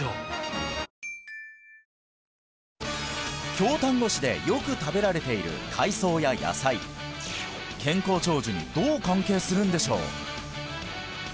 京丹後市でよく食べられている海藻や野菜健康長寿にどう関係するんでしょう？